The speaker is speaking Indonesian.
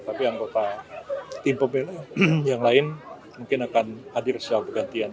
tapi anggota tim pemilih yang lain mungkin akan hadir secara bergantian